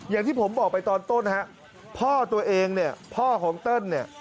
อย่างที่ผมบอกไปตอนต้นฮะพ่อตัวเองเนี่ยพ่อของเติ้ลเนี่ย